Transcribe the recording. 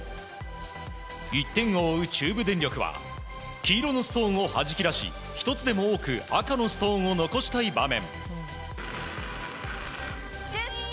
１点を追う中部電力は黄色のストーンをはじき出し１つでも多く赤のストーンを残したい場面。